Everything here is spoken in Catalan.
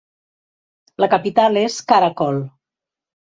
La capital és Karakol.